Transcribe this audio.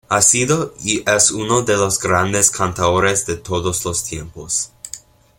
Ha sido y es uno de los grandes cantaores de todos los tiempos.